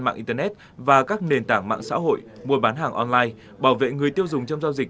mạng internet và các nền tảng mạng xã hội mua bán hàng online bảo vệ người tiêu dùng trong giao dịch